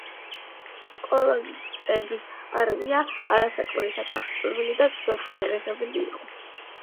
კოლონისტების არმია არასაკმარისად აღჭურვილი და ცუდად შეიარაღებული იყო.